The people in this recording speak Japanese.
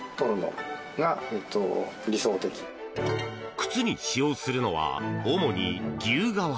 靴に使用するのは主に牛革。